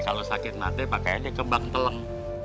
kalau sakit nanti pakai aja kembang teleng